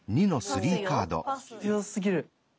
強すぎる。